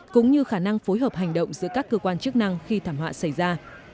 cũng như khả năng phối hợp hành động giữa các cơ quan chức năng khi thảm họa xảy ra